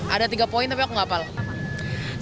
ada tiga poin tapi aku gak pala